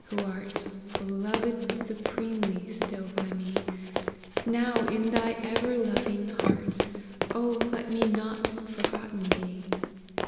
who art Beloved supremely still by me, Now, in thy ever loving heart, Oh let me not forgotten be